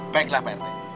baiklah pak rt